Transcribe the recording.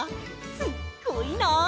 すっごいなあ！